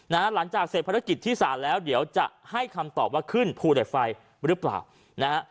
หลังจากเสร็จภารกิจที่ศาลแล้วเดี๋ยวจะให้คำตอบว่าขึ้นภูเหล็กไฟหรือเปล่านะฮะ